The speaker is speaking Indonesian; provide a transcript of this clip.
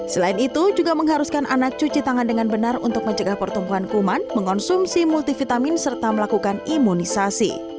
selain itu juga mengharuskan anak cuci tangan dengan benar untuk mencegah pertumbuhan kuman mengonsumsi multivitamin serta melakukan imunisasi